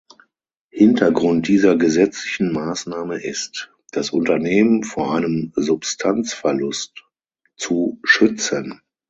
Hintergrund dieser gesetzlichen Maßnahme ist, das Unternehmen vor einem Substanzverlust zu schützen.